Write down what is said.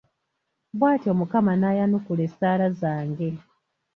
Bw'atyo Mukama n'ayanukula essaala zange.